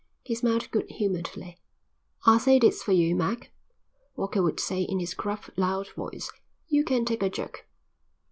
He smiled good humouredly. "I'll say this for you, Mac," Walker would say in his gruff loud voice, "you can take a joke."